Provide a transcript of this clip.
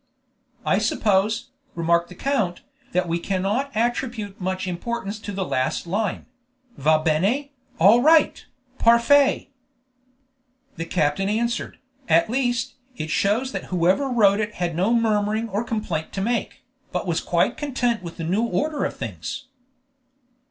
"I suppose," remarked the count, "that we cannot attribute much importance to the last line: 'Va bene! All right!! Parfait!!!'" The captain answered, "At least, it shows that whoever wrote it had no murmuring or complaint to make, but was quite content with the new order of things."